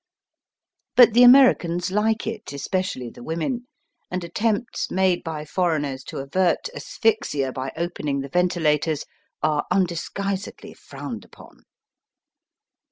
But the Americans like it, especially the women, and attempts made by foreigners to avert asphyxia by opening the ventilators are undisguisedly frowned upon.